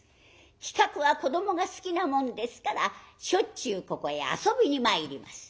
其角は子どもが好きなもんですからしょっちゅうここへ遊びに参ります。